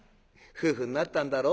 「夫婦になったんだろ？